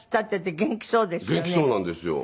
元気そうなんですよ。